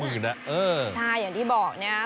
ใช่อย่างที่บอกนะ